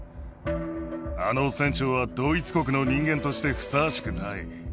あの船長はドイツ国の人間としてふさわしくない。